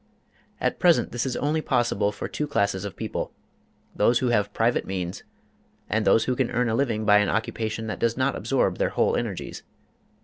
'' At present this is only possible for two classes of people: those who have private means, and those who can earn a living by an occupation that does not absorb their whole energies.